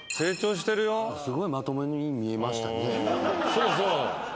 そうそう。